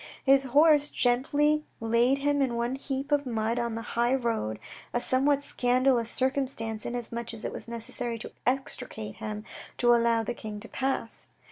His horse gently laid him in the one heap of mud on the high road, a somewhat scandalous circumstance, inasmuch as it was necessary to extricate him to allow the King to pass.